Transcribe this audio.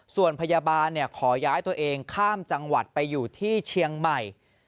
ส่วนพยาบาลขอย้ายตัวเองข้ามจังหวัดไปอยู่ที่เชียงใหม่